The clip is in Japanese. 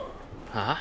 ああ？